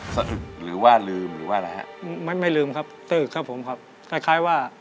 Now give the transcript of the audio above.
จะจงให้อภัย